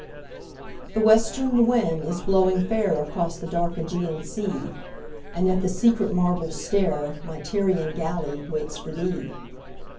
THE WESTERN wind is blowing fairAcross the dark Ægean sea, And at the secret marble stairMy Tyrian galley waits for thee.